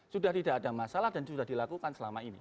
sudah tidak ada masalah dan sudah dilakukan selama ini